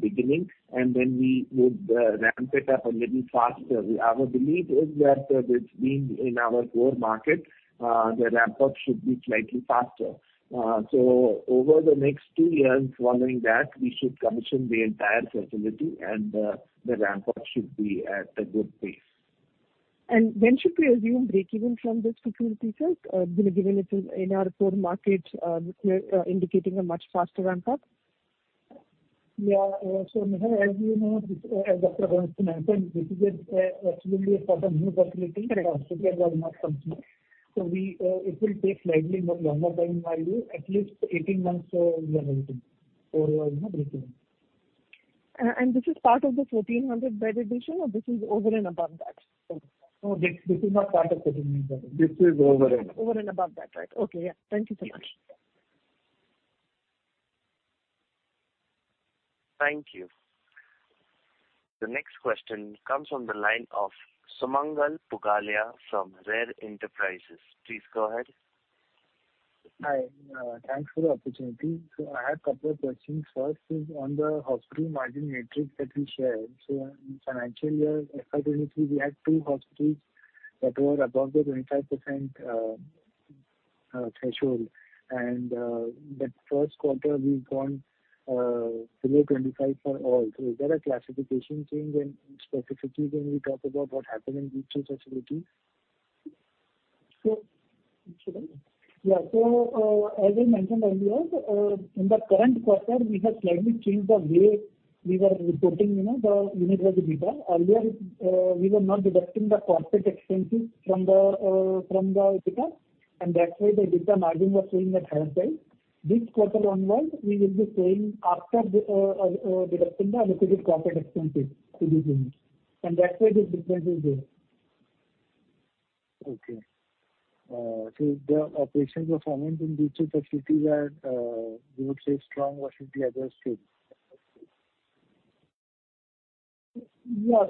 beginning, and then we would ramp it up a little faster. Our belief is that this being in our core market, the ramp-up should be slightly faster. Over the next 2 years following that, we should commission the entire facility, and the ramp-up should be at a good pace. When should we assume breakeven from this facility, sir? you know, given it is in our core market, we're indicating a much faster ramp-up. Yeah, Neha, as you know, this, as Dr. Raghuvanshi mentioned, this is actually a new facility. The hospitals are not complete. We, it will take slightly more longer time than value, at least 18 months, we are looking for, you know, breakeven. This is part of the 1,400 bed addition, or this is over and above that? No, this is not part of the 1,400. This is over. Over and above that, right? Okay, yeah. Thank you so much. Thank you. The next question comes from the line of Sumangal Pugalia from Rare Enterprises. Please go ahead. Hi, thanks for the opportunity. I have couple of questions. First is on the hospital margin matrix that you shared. In financial year, FY23, we had two hospitals that were above the 25% threshold, and the first quarter, we've gone below 25 for all. Is there a classification change in, specifically when we talk about what happened in these two facilities? Yeah, as I mentioned earlier, in the current quarter, we have slightly changed the way we were reporting, you know, the unit growth data. Earlier, we were not deducting the corporate expenses from the data, and that's why the data margin was showing at higher side. This quarter onwards, we will be saying after deducting the allocated corporate expenses to the units, and that's why this difference is there. Okay. The operational performance in these two facilities are, we would say strong or should be addressed still? Yeah,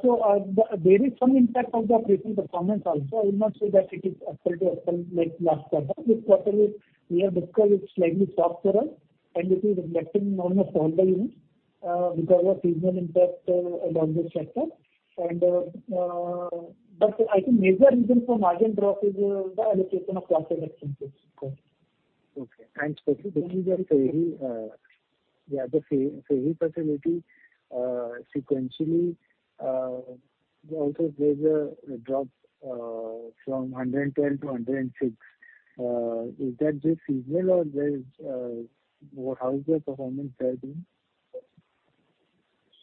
there is some impact on the operational performance also. I will not say that it is apple to apple, like last quarter. This quarter is, we have discussed it's slightly softer on, and it is reflecting on all the units because of seasonal impact among the sector. But I think major reason for margin drop is the allocation of class expenses. Okay. Specifically the Sehi, the Sehi, Sehi facility, sequentially, also there's a drop from 110 to 106. Is that just seasonal or there is... How is the performance there been?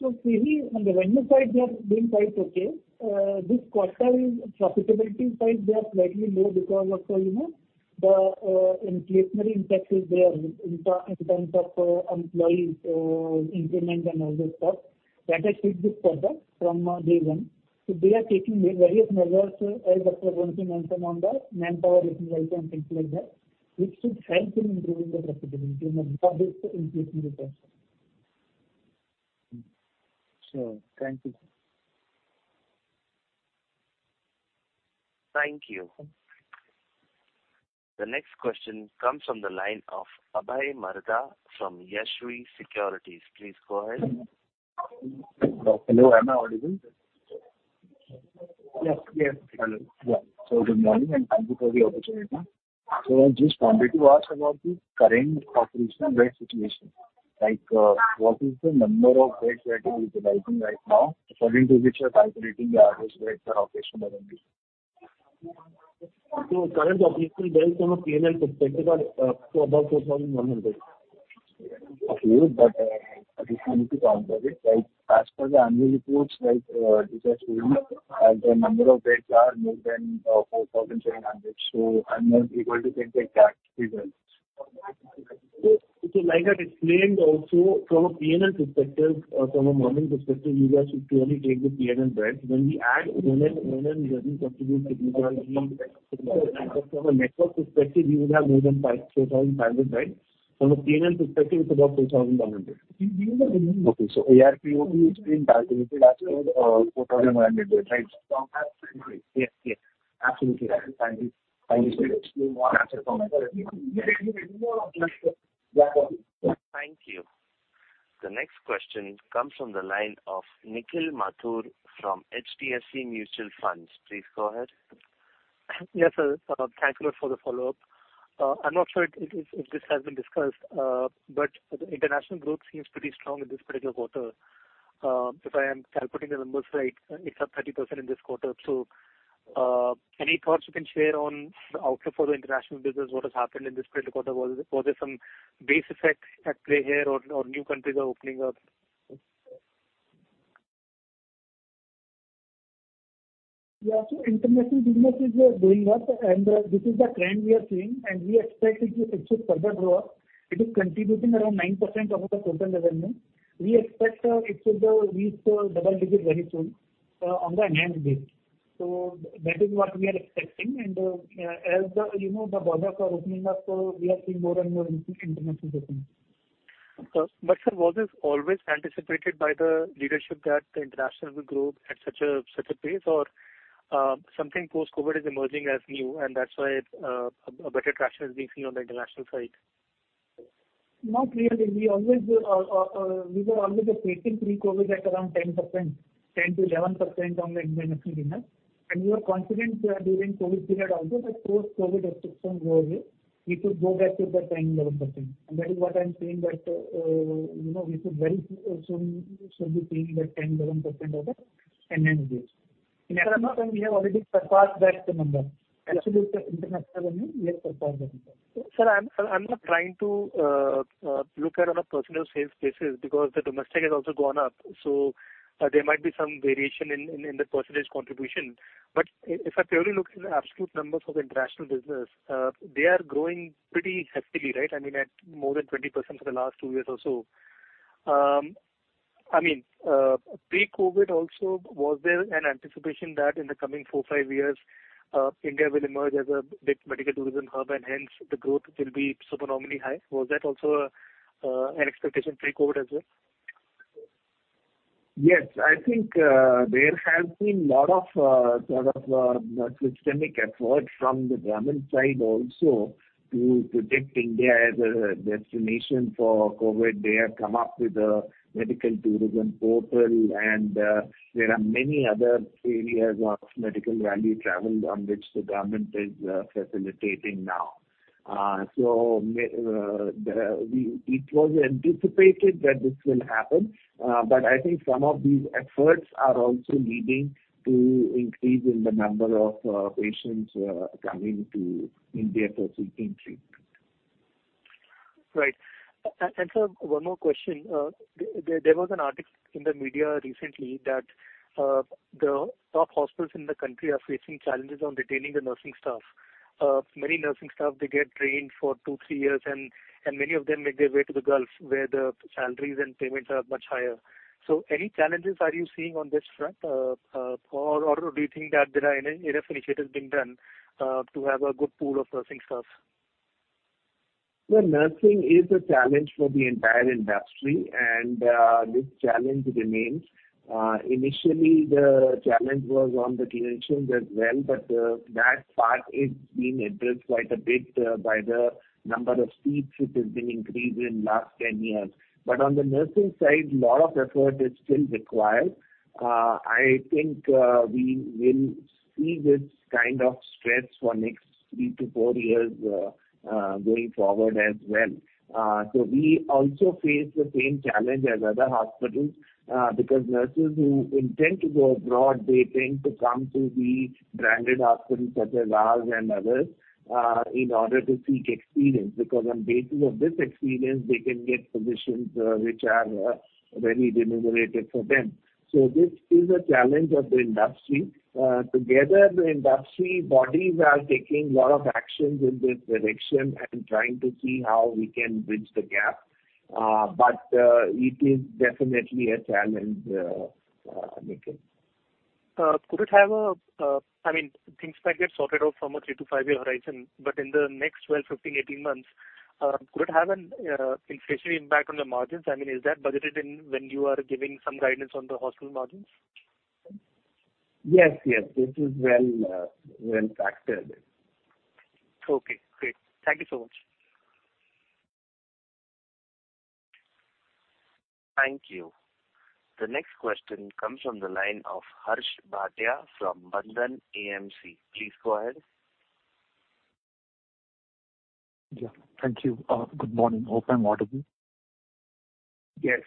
Sehi, on the revenue side, they are doing quite okay. This quarter is profitability side, they are slightly low because of, you know, the inflationary impact is there in terms of employees increment and all that stuff. That has hit this quarter from day one. We are taking various measures, as Dr. Raghuvanshi mentioned, on the manpower optimization, things like that, which should frankly improve the profitability in the Sehi facility. Sure. Thank you. Thank you. The next question comes from the line of Abhay Marda from Yashwi Securities. Please go ahead. Hello, am I audible? Yes, yes. Hello. Yeah. Good morning, and thank you for the opportunity. I just wanted to ask about the current operational bed situation. Like, what is the number of beds that you are utilizing right now, according to which you are calculating the average rates or operational beds? Current operational beds from a P&L perspective are, about 4,100 beds. Okay, if you need to count on it, like, as per the annual reports, like, which are showing as the number of beds are more than 4,700, so I'm not able to get the exact figures. Like I explained also, from a PNL perspective, or from a margin perspective, you guys should purely take the PNL beds. When we add O&M, O&M doesn't contribute significantly. From a network perspective, you would have more than 5, 4,000 beds, right? From a PNL perspective, it's about 2,100. Okay, ARPU would be approximately 4,100 beds, right? Yes, yes. Absolutely right. Thank you. Thank you, sir. Thank you. The next question comes from the line of Nikhil Mathur from HDFC Mutual Fund. Please go ahead. Yes, sir, thank you for the follow-up. I'm not sure if, if, if this has been discussed, but the international group seems pretty strong in this particular quarter. If I am calculating the numbers right, it's up 30% in this quarter. Any thoughts you can share on the outlook for the international business, what has happened in this quarter? Was, was there some base effect at play here or, or new countries are opening up? Yeah. International business is going up, and this is the trend we are seeing, and we expect it to, it should further grow up. It is contributing around 9% of the total revenue. We expect it should reach double-digit very soon on the enhanced base. That is what we are expecting. As the, you know, the borders are opening up, so we are seeing more and more international business. Sir, was this always anticipated by the leadership that the international will grow at such a, such a pace or, something post-COVID is emerging as new, and that's why, a better traction is being seen on the international side? Not really. We always, we were always expecting pre-COVID at around 10%, 10%-11% on the international business. We were confident during COVID period also, that post-COVID restriction go away, it would go back to the 10%, 11%. That is what I'm saying, that, you know, we should very soon, should be seeing that 10%, 11% of the enhanced base. In fact, we have already surpassed that number. Absolutely, international, we have surpassed that number. Sir, I'm, I'm not trying to look at on a percentage sales basis because the domestic has also gone up, so there might be some variation in, in, in the percentage contribution. If I purely look at the absolute numbers of international business, they are growing pretty heftily, right? I mean, at more than 20% for the last 2 years or so. I mean, pre-COVID also, was there an anticipation that in the coming four, five years, India will emerge as a big medical tourism hub, and hence the growth will be super normally high? Was that also an expectation pre-COVID as well? Yes, I think, there has been a lot of, sort of, systemic effort from the government side also to project India as a destination for COVID. They have come up with a medical tourism portal, and there are many other areas of Medical Value Travel on which the government is facilitating now. The, it was anticipated that this will happen, but I think some of these efforts are also leading to increase in the number of, patients, coming to India for seeking treatment. Right. Sir, one more question. There, there was an article in the media recently that the top hospitals in the country are facing challenges on retaining the nursing staff. Many nursing staff, they get trained for two, three years, and many of them make their way to the Gulf, where the salaries and payments are much higher. Any challenges are you seeing on this front? Or do you think that there are enough initiatives being done to have a good pool of nursing staff? Well, nursing is a challenge for the entire industry, and this challenge remains. Initially, the challenge was on the clinicians as well, but that part is being addressed quite a bit by the number of seats which has been increased in last 10 years. On the nursing side, a lot of effort is still required. I think we will see this kind of stress for next 3 to 4 years going forward as well. We also face the same challenge as other hospitals because nurses who intend to go abroad, they tend to come to the branded hospitals such as ours and others in order to seek experience, because on basis of this experience, they can get positions which are very remunerative for them. This is a challenge of the industry. Together, the industry bodies are taking a lot of actions in this direction and trying to see how we can bridge the gap, but it is definitely a challenge, Nikhil. Could it have a, I mean, things might get sorted out from a 3-5 year horizon, but in the next 12, 15, 18 months, could it have an inflationary impact on the margins? I mean, is that budgeted in when you are giving some guidance on the hospital margins? Yes, yes, it is well factored. Okay, great. Thank you so much. Thank you. The next question comes from the line of Harsh Bhatia from Bandhan AMC. Please go ahead. Yeah, thank you. Good morning. Hope I'm audible. Yes.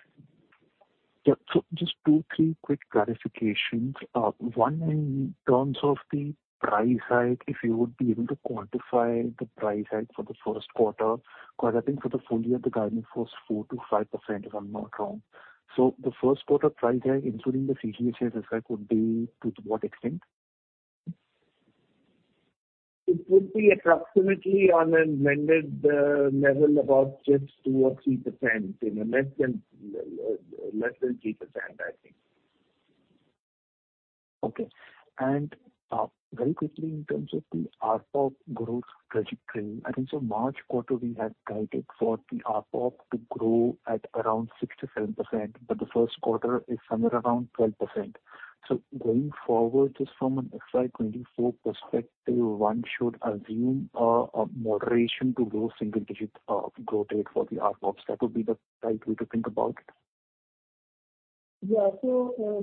Yeah. Just two, three quick clarifications. One, in terms of the price hike, if you would be able to quantify the price hike for the first quarter, because I think for the full year, the guidance was 4%-5%, if I'm not wrong. The first quarter price hike, including the CGHS, as I could be, to what extent?... It would be approximately on an amended, level, about just 2% or 3%, you know, less than, less than 3%, I think. Okay. Very quickly, in terms of the ARPOB growth trajectory, I think so March quarter, we had guided for the ARPOB to grow at around 6%-7%. The first quarter is somewhere around 12%. Going forward, just from an FY 2024 perspective, one should assume a moderation to grow single digit growth rate for the ARPOBs. That would be the right way to think about it? Yeah.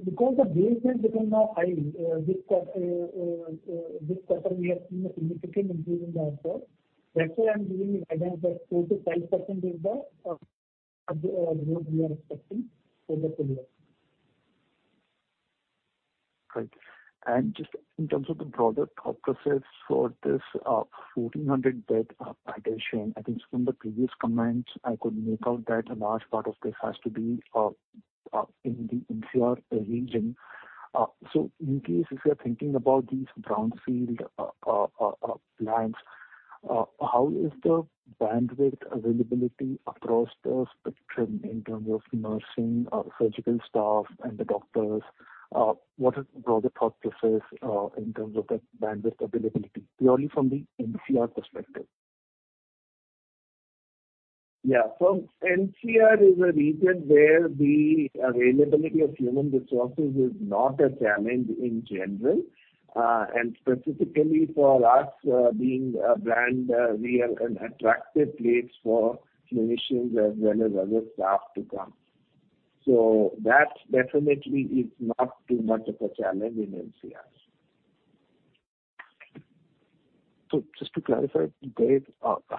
Because the base has become now high, this quarter, this quarter we have seen a significant increase in the ARPOB. That's why I'm giving you guidance that 4%-5% is the growth we are expecting for the full year. Right. Just in terms of the broader thought process for this, 1,400 bed addition, I think from the previous comments, I could make out that a large part of this has to be in the NCR region. In case if you're thinking about these brownfield lines, how is the bandwidth availability across the spectrum in terms of nursing, surgical staff and the doctors? What are the broader thought processes in terms of the bandwidth availability, purely from the NCR perspective? Yeah. NCR is a region where the availability of human resources is not a challenge in general, and specifically for us, being a brand, we are an attractive place for clinicians as well as other staff to come. That definitely is not too much of a challenge in NCR. Just to clarify, there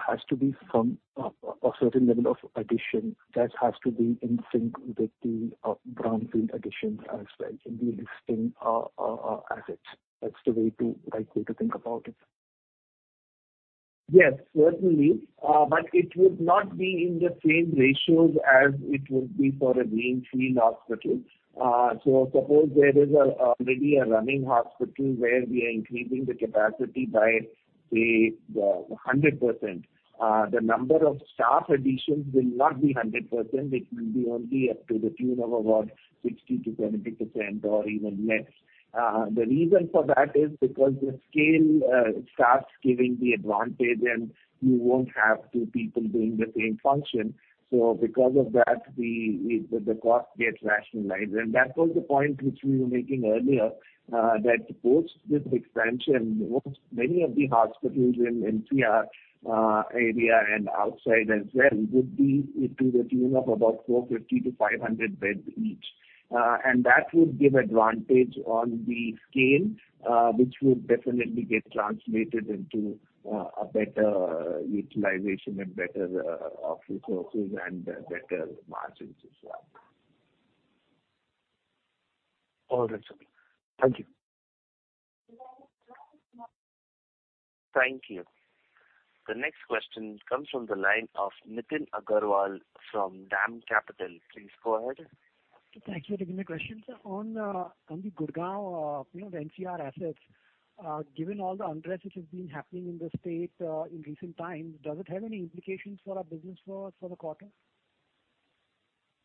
has to be a certain level of addition that has to be in sync with the brownfield additions as well, in the existing assets. That's the right way to think about it? Yes, certainly. It would not be in the same ratios as it would be for a greenfield hospital. Suppose there is a maybe a running hospital where we are increasing the capacity by 100%, the number of staff additions will not be 100%, it will be only up to the tune of about 60%-70% or even less. The reason for that is because the scale starts giving the advantage, and you won't have two people doing the same function. Because of that, the cost gets rationalized. That was the point which we were making earlier, that post this expansion, most many of the hospitals in NCR area and outside as well, would be to the tune of about 450-500 beds each. That would give advantage on the scale, which would definitely get translated into a better utilization and better resources and better margins as well. All right, sir. Thank you. Thank you. The next question comes from the line of Nitin Agarwal from DAM Capital. Please go ahead. Thank you. Thank you for taking my question, sir. On, on the Gurugram, you know, the NCR assets, given all the unrest which has been happening in the state, in recent times, does it have any implications for our business for, for the quarter?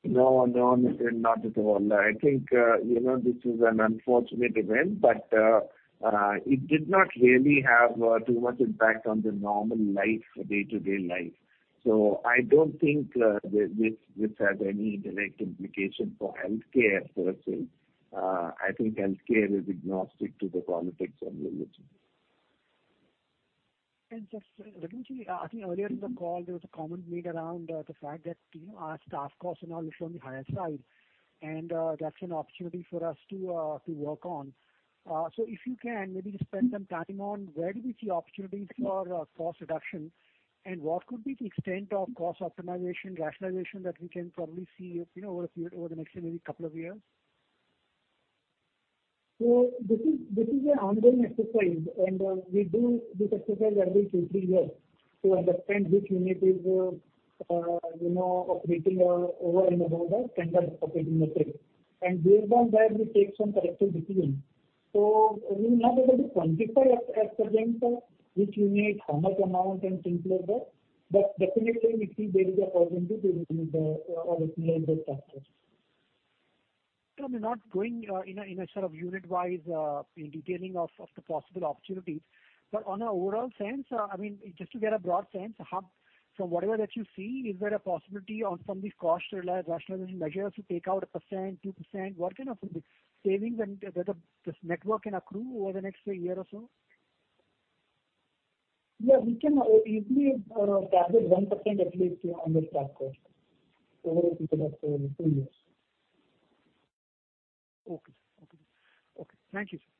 No, no, Nitin, not at all. I think, you know, this is an unfortunate event, but it did not really have too much impact on the normal life, day-to-day life. I don't think this, this has any direct implication for healthcare per se. I think healthcare is agnostic to the politics of religion. Just, I think earlier in the call, there was a comment made around the fact that, you know, our staff costs are now little on the higher side, and that's an opportunity for us to to work on. If you can, maybe just spend some time on where do we see opportunities for cost reduction? What could be the extent of cost optimization, rationalization that we can probably see, you know, over a period, over the next maybe 2 years? This is, this is an ongoing exercise, and we do this exercise every two, three years to understand which unit is, you know, operating over and above the standard operating method. Based on that, we take some corrective decisions. We will not be able to quantify as, as per them, sir, which unit, how much amount and things like that, but definitely we see there is opportunity to reduce the or optimize the factors. I mean, not going, in a, in a sort of unit-wise, in detailing of, of the possible opportunities, but on an overall sense, I mean, just to get a broad sense, how. From whatever that you see, is there a possibility on some of these cost rationalization measures to take out 1%, 2%? What kind of savings and whether this network can accrue over the next year or so? Yeah, we can easily target 1% at least on the staff cost over a period of 2 years. Okay. Okay. Okay. Thank you, sir.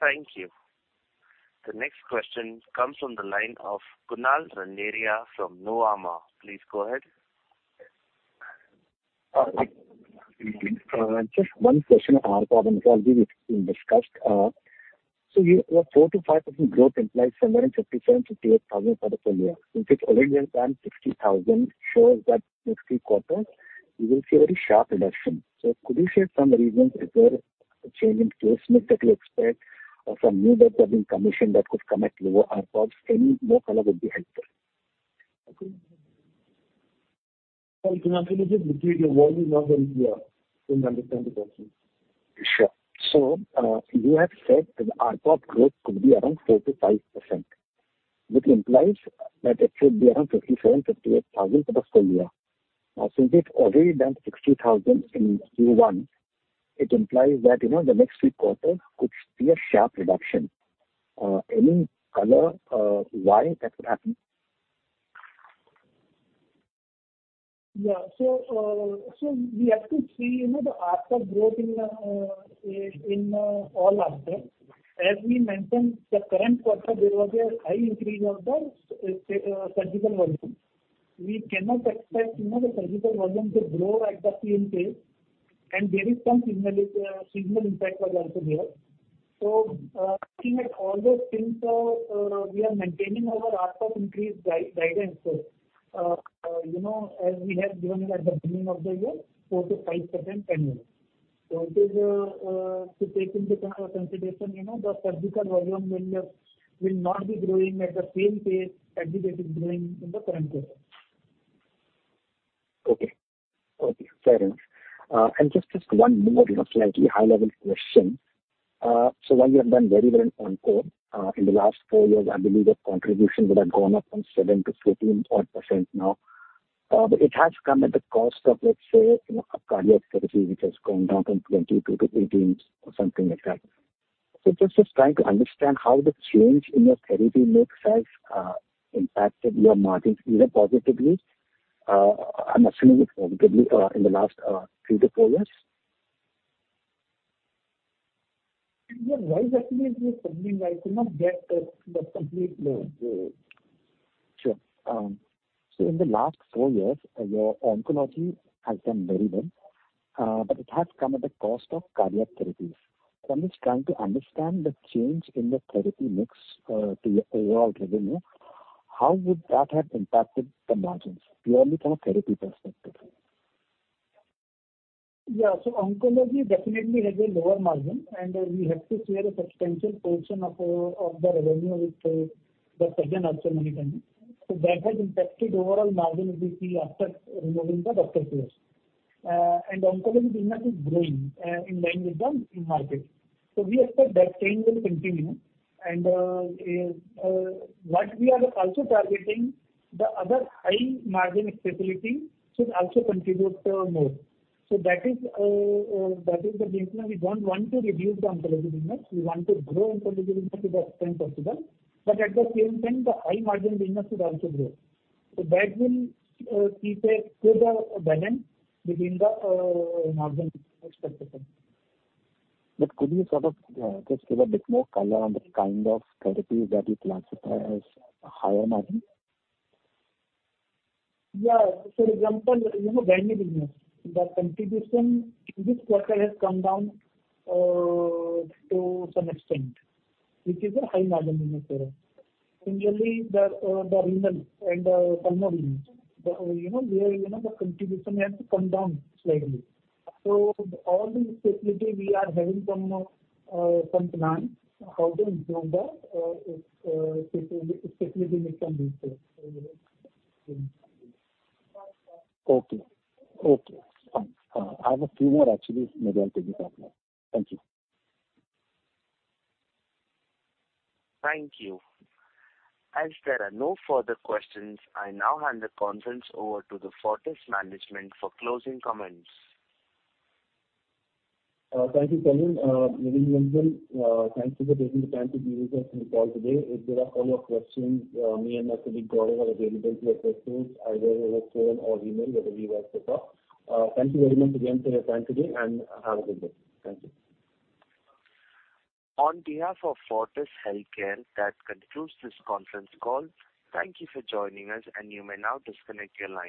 Thank you. The next question comes from the line of Kunal Randeria from Nuvama. Please go ahead. Just one question on pathology, which has been discussed. You, your 4%-5% growth implies somewhere in 57,000-58,000 for the full year. Since it's already done 60,000, shows that next 3 quarters you will see a very sharp reduction. Could you share some reasons, is there a change in case mix that you expect or some new beds have been commissioned that could come at lower ARPOBs? Any more color would be helpful. I could not really get your volume very well. Don't understand the question. Sure. You have said that ARPOB growth could be around 4%-5%, which implies that it should be around 57,000-58,000 for the full year. Since it's already done 60,000 in Q1, it implies that, you know, the next three quarters could see a sharp reduction. Any color, why that would happen? Yeah. So we have to see, you know, the ARPOB growth in all aspects. As we mentioned, the current quarter, there was a high increase of the surgical volume. We cannot expect, you know, the surgical volume to grow at the same pace, and there is some seasonality, seasonal impact was also there. Looking at all those things, we are maintaining our ARPOB increase guidance. You know, as we have given at the beginning of the year, 4%-5% annual. It is to take into consideration, you know, the surgical volume will not be growing at the same pace as it is growing in the current quarter. Okay. Okay, fair enough. Just, just one more, you know, slightly high-level question. While you have done very well in oncology in the last 4 years, I believe the contribution would have gone up from 7% to 14% now. It has come at the cost of, let's say, you know, a cardiac therapy, which has gone down from 22% to 18% or something like that. Just, just trying to understand how the change in your therapy mix has impacted your margins, either positively, I'm assuming it's positively, in the last 3 to 4 years. Yeah. Why is that I could not get the complete... Sure. In the last four years, your oncology has done very well, but it has come at the cost of cardiac therapies. I'm just trying to understand the change in the therapy mix, to your overall revenue. How would that have impacted the margins, purely from a therapy perspective? Yeah. Oncology definitely has a lower margin, and we have to share a substantial portion of the revenue with the partner many times. That has impacted overall margin, we see after removing the doctor fees. Oncology business is growing in line with the market. We expect that trend will continue. What we are also targeting, the other high margin specialty should also contribute more. That is, that is the reason we don't want to reduce the oncology business. We want to grow oncology business to the extent possible, but at the same time, the high margin business should also grow. That will keep a good balance within the margin perspective. Could you sort of just give a bit more color on the kind of therapies that you classify as higher margin? Yeah. So example, you know, kidney business, the contribution in this quarter has come down to some extent, which is a high margin business. Usually, the renal and the thermal range, the, you know, where, you know, the contribution has to come down slightly. So all these facilities, we are having some plans how to improve the facility, facility mix and so. Okay. Okay. I have a few more actually, maybe I'll take it up now. Thank you. Thank you. As there are no further questions, I now hand the conference over to the Fortis management for closing comments. Thank you, Sachin. Ladies and gentlemen, thank you for taking the time to be with us on the call today. If there are further questions, me and my colleague, Joel, are available to address those, either over phone or email, whatever you like to talk. Thank you very much again for your time today, and have a good day. Thank you. On behalf of Fortis Healthcare, that concludes this conference call. Thank you for joining us, and you may now disconnect your lines.